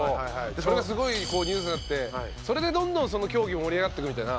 それがすごいニュースになってそれでどんどん競技が盛り上がっていくみたいな。